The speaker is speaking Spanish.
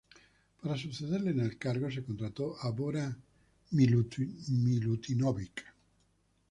Para sucederle en el cargo se contrató a Bora Milutinović.